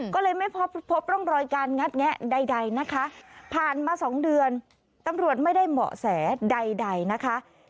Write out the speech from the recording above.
ก็เลยไม่พบร่องรอยการงัดแงะใดนะคะผ่านมา๒เดือนตำรวจไม่ได้เหมาะแสใดนะคะ